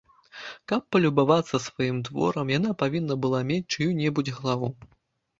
Каб палюбавацца сваім творам, яна павінна была мець чыю-небудзь галаву.